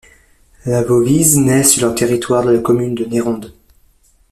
La Vauvise naît sur le territoire de la commune de Nérondes.